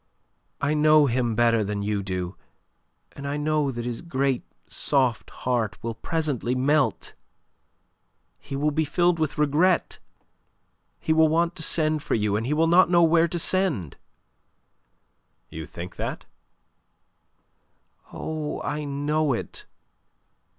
"I know him better than you do, and I know that his great soft heart will presently melt. He will be filled with regret. He will want to send for you, and he will not know where to send." "You think that?" "Oh, I know it!